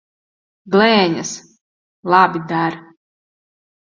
Blēņas! Labi der.